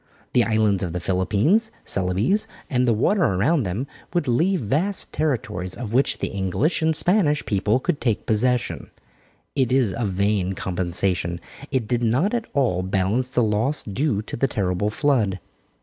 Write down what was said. The islands of the Philippines, Celebes and the water around them would leave vast territories of which the English and Spanish people could take possession. It is a vain compensation. It did not at all balance the loss due to the terrible flood.